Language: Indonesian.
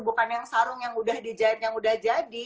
bukan yang sarung yang udah jadi